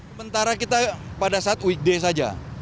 sementara kita pada saat weekday saja